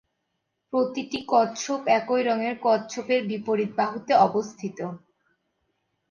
প্রতিটি কচ্ছপ, একই রঙের কচ্ছপের বিপরীত বাহুতে অবস্থিত।